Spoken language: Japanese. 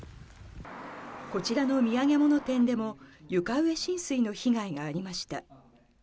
こちらの土産物店でも、床上浸水の被害がありました。